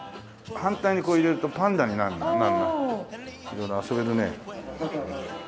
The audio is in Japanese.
色々遊べるね。